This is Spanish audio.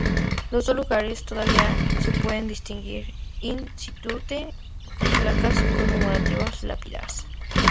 Los dos lugares todavía se pueden distinguir "in situ" con placas conmemorativas y lápidas.